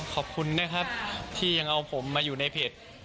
ขอบคุณนะครับที่ยังเอาผมมาอยู่ในเพจ